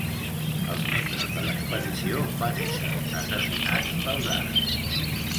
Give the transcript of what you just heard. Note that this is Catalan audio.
Els membres de l'expedició van ésser assassinats pels àrabs.